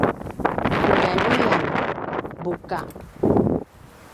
puljaljuyan: buka